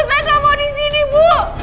saya gak mau di sini bu